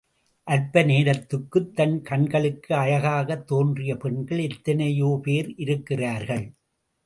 அற்ப நேரத்துக்குத் தன் கண்களுக்கு அழகாகத் தோன்றிய பெண்கள் எத்தனையோபேர் இருக்கிறார்கள்.